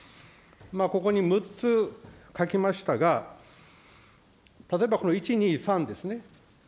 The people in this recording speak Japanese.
ここに、６つ書きましたが、例えばこの１、２、３ですね。